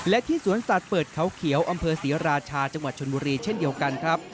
และที่สวนสัตว์เปิดเขาเขียวอำเภอศรีราชาจังหวัดชนบุรีเช่นเดียวกันครับ